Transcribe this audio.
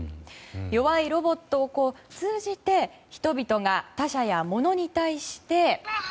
弱いロボットを通じて、人々が他者やものに対して。